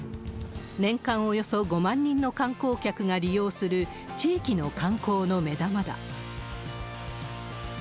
年間およそ５万人の観光客が利用する地域の観光の目玉だ。